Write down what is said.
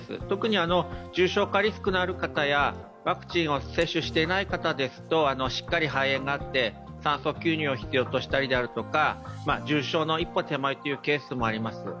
特に重症化リスクのある方やワクチン接種をしていない方ですとしっかり肺炎があって酸素吸入を必要としたりだとか重症の一歩手前というのもあります。